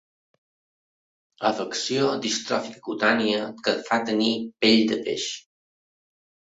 Afecció distròfica cutània que et fa tenir pell de peix.